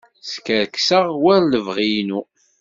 Skerkseɣ war lebɣi-inu.